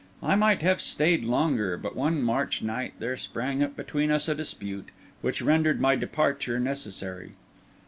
I might have stayed longer; but one March night there sprang up between us a dispute, which rendered my departure necessary.